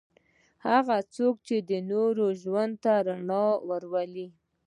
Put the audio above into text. هغه څوک چې د نورو ژوند ته رڼا راوړي.